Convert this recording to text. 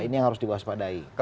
ini yang harus diwaspadai